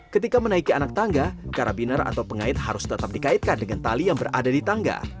ketika menaiki anak tangga karabiner atau pengait harus tetap dikaitkan dengan tali yang berada di tangga